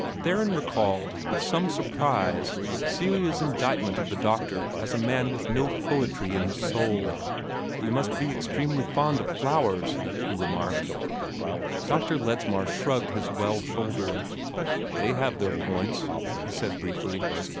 Theron recalled with some surprise Celia's indictment of the doctor as a man with no poetry in his soul. "You must be extremely fond of flowers," he remarked. Dr. Ledsmar shrugged his well shoulder. "They have their points," he said briefly.